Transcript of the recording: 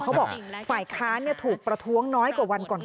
ฝ่ายค้านถูกประท้วงน้อยกว่าวันก่อน